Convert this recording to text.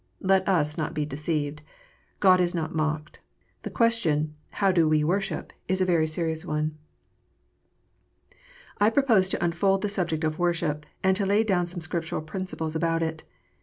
Let us not be deceived. God is not mocked. The question, "How do we worship?" is a very serious one. I propose to unfold the subject of worship, and to lay down some Scriptural principles about it.